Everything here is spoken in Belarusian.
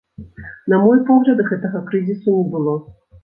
На мой погляд, гэтага крызісу не было.